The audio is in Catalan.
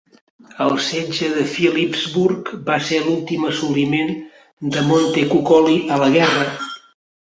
El setge de Philippsburg va ser l'últim assoliment de Montecuccoli a la guerra.